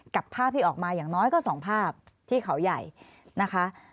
ภาพที่ออกมาอย่างน้อยก็สองภาพที่เขาใหญ่นะคะ